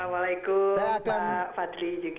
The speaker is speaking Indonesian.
waalaikumsalam pak fadli juga